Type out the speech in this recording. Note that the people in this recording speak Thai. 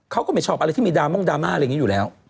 เขาก็ไม่ชอบอะไรที่มีดราม่องดราม่าอะไรอย่างนี้อยู่แล้ว